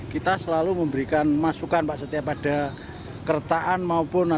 kita selalu memberikan masukan pak setia pada kertaan maupun